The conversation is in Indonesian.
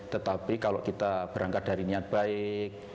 tetapi kalau kita berangkat dari niat baik